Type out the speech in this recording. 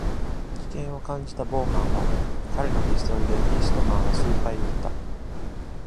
危険を感じたボーハンは、彼のピストルでイーストマンを数回撃った。